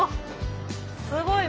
すごい。